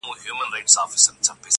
o پوروړی د مور مېړه دئ٫